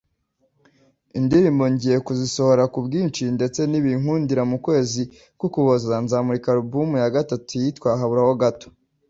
Indirimbo ngiye kuzisohora ku bwinshi ndetse nibinkundira mu kwezi k’Ukuboza nzamurika album ya gatatu yitwa ‘Haburaho gato’”